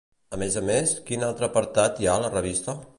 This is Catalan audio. A més a més, quin altre apartat hi ha a la revista?